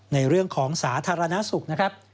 ในเรื่องของสาธารณสุขนะครับ